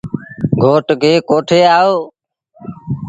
گھوٽ کي ڪوٺي آئو۔